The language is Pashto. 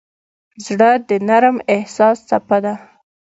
زړه د نرم احساس څپه ده.